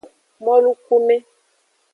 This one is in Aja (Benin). Molukume.